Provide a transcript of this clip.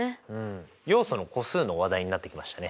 要素の個数の話題になってきましたね。